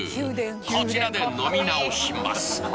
こちらで飲み直します